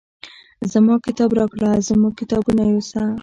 زما کتاب راکړه زموږ کتابونه یوسه.